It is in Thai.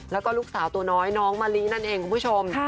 แล้วก็ลูกสาวตัวน้อยน้องมะลินั่นเองคุณผู้ชม